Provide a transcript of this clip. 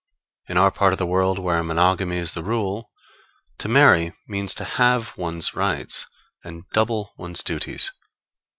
In our part of the world where monogamy is the rule, to marry means to halve one's rights and double one's duties.